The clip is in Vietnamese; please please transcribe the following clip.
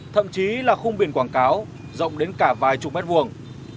thậm chí là khung biển quảng cáo rộng đến cả vài chục mét vuông